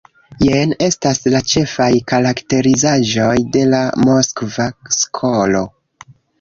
Jen estas la ĉefaj karakterizaĵoj de la Moskva skolo.